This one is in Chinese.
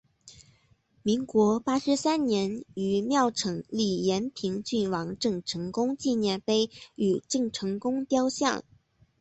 民国八十三年于庙埕立延平郡王郑成功纪念碑与郑成功雕像。